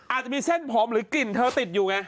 อาจจะมีเส้นผมหรือกลิ่นเธอติดอยู่ไง